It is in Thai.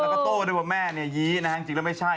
พ่อโต้ได้บอกแม่นี่ยี้จริงแล้วไม่ใช่